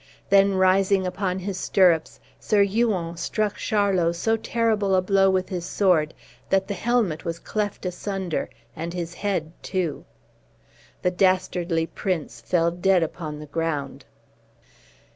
Then, rising upon his stirrups, Sir Huon struck Charlot so terrible a blow with his sword that the helmet was cleft asunder, and his head too. The dastardly prince fell dead upon the ground.